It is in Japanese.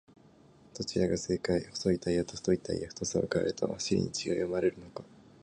どちらが正解!?細いタイヤと太いタイヤ、太さを変えると走りに違いは生まれるのか？